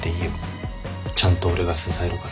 ちゃんと俺が支えるから。